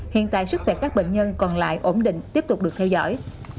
hiện tại sức khỏe các bệnh nhân còn lại ổn định tiếp tục được theo dõi